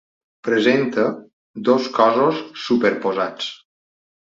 Presenta dos cossos superposats.